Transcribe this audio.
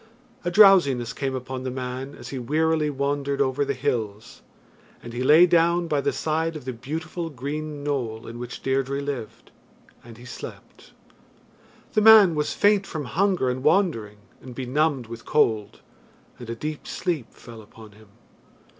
A drowsiness came upon the man as he wearily wandered over the hills, and he lay down by the side of the beautiful green knoll in which Deirdre lived, and he slept. The man was faint from hunger and wandering, and benumbed with cold, and a deep sleep fell upon him.